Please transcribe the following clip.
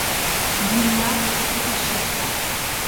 Длинна и пашиста.